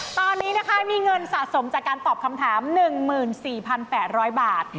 ตอนนี้นะคะมีเงินสะสมจากการตอบคำถาม๑๔๘๐๐บาท